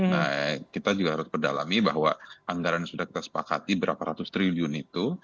nah kita juga harus perdalami bahwa anggaran yang sudah kita sepakati berapa ratus triliun itu